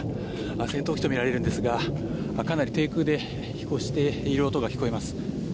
戦闘機とみられるんですがかなり低空で飛行している音が聞こえます。